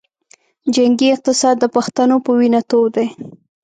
جنګي اقتصاد د پښتنو پۀ وینه تود دے